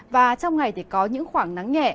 và trong ngày thì có những khoảng nắng nhẹ